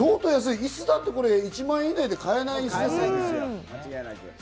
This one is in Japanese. イスだって、これ１万円以内で買えないイスですよね。